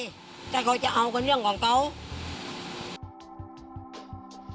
ไม่เป็นไรก็เราจะเอากับเรื่องของเขามั้ย